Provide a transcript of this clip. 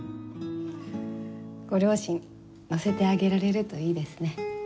ご両親乗せてあげられるといいですね。